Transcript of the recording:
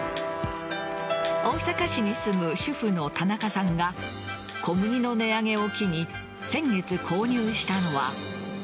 大阪市に住む主婦の田中さんが小麦の値上げを機に先月、購入したのは。